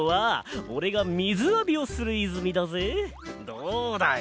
どうだい？